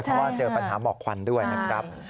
เพราะว่าเจอปัญหาหมอกควันด้วยนะครับ